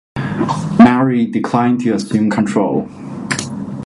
Marie declined to assume control.